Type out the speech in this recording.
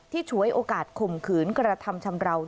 ฉวยโอกาสข่มขืนกระทำชำราว